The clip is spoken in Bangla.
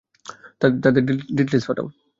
তাদের ডিটেইলস পাঠাও।